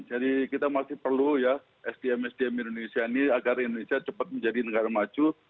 jadi kita masih perlu ya sdm sdm indonesia ini agar indonesia cepat menjadi negara maju